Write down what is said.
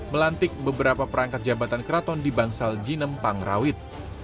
melantik beberapa perangkat jabatan keraton di bangsal jinem pangrawit